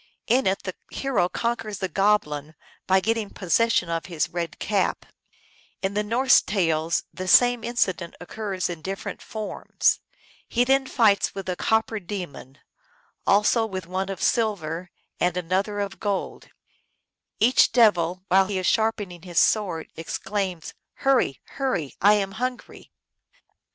In it the hero conquers the goblin by getting possession of his red cap. In the Norse tales the same incident occurs in different forms. He then fights with a copper demon ; also with one of silver and another of 1 Sagas from the Far East, London, 1873. THE THREE STRONG MEN. 323 gold. Each devil, while he is sharpening his sword, exclaims, " Hurry ! hurry ! I am hungry